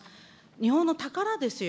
日本の宝ですよ。